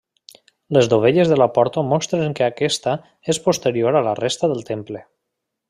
Les dovelles de la porta mostren que aquesta és posterior a la resta del temple.